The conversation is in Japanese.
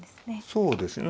そうですね。